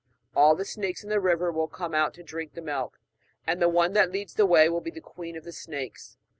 All the snakes in the river will come out to drink the milk, and the one that leads the way will be the queen of the snakes.